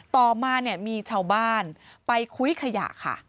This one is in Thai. ต่อมามีเจ้าบ้านไปคุ้ยขยะ